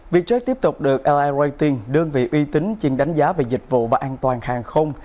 việc trách tiếp tục được l i ratings đơn vị uy tín chuyên đánh giá về dịch vụ và an toàn hàng không